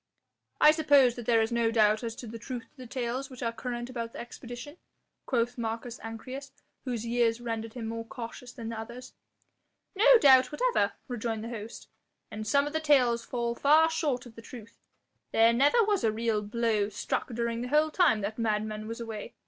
"I suppose that there is no doubt as to the truth of the tales which are current about the expedition," quoth Marcus Ancyrus, whose years rendered him more cautious than the others. "No doubt whatever," rejoined the host, "and some of the tales fall far short of the truth. There never was a real blow struck during the whole time that madman was away.